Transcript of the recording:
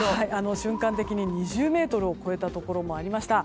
瞬間的に２０メートルを超えたところもありました。